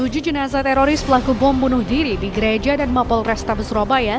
tujuh jenazah teroris pelaku bom bunuh diri di gereja dan mapol restabes surabaya